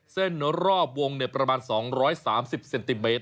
เส้นรอบวงประมาณ๒๓๐เซนติเมตร